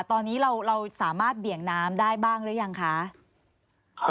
ตอนนี้เราสามารถเบี่ยงน้ำได้บ้างหรือยังคะ